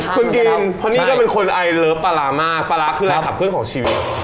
คุณบีมเพราะนี่ก็เป็นคนไอเลิฟปลาร้ามากปลาร้าคืออะไรขับเคลื่อนของชีวิต